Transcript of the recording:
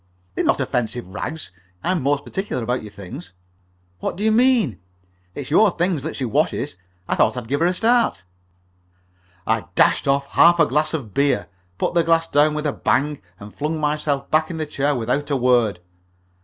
"They're not offensive rags. I'm most particular about your things." "What do you mean?" "It's your things that she washes. I thought I'd give her a start." I dashed off half a glass of beer, put the glass down with a bang, and flung myself back in the chair without a word.